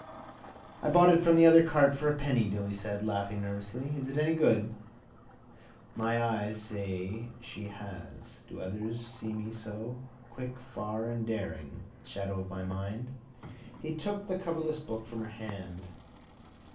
—I bought it from the other cart for a penny, Dilly said, laughing nervously. Is it any good? My eyes they say she has. Do others see me so? Quick, far and daring. Shadow of my mind. He took the coverless book from her hand.